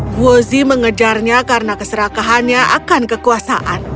guozi mengejarnya karena keserakahannya akan kekuasaan